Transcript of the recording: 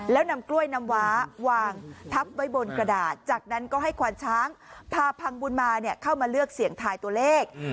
แล้วนำกล้วยนำว้าวางทับไว้บนกระดาษจากนั้นก็ให้ควานช้างพาพังบุญมาเข้ามาเลือกเสี่ยงทายตัวเลข